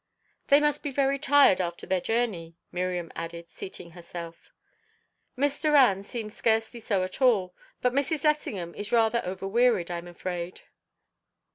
"They must be very tired after their journey," Miriam added, seating herself. "Miss Doran seems scarcely so at all; but Mrs. Lessingham is rather over wearied, I'm afraid."